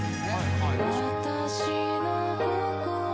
「私の心は」